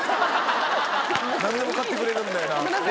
何でも買ってくれるんだよな。